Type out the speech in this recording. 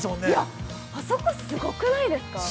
◆あそこ、すごくないですか。